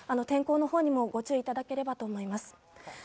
天候のほうにもご注意いただければと思います。